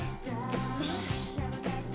よし。